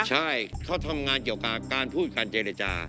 ใช่เขาทำงานเกี่ยวกับการพูดการเจรจา